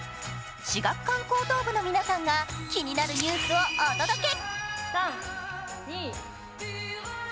志学館高等部の皆さんが気になるニュースをお届け。